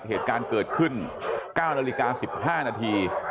เหตุการณ์เกิดขึ้น๙นาฬิกา๑๕นาที